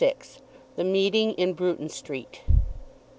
THE MEETING IN BRUTON STREET.